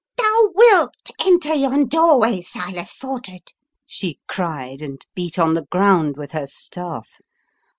M Thou wilt enter yon doorway, Silas Fordred!" she cried, and beat on the ground with her staff.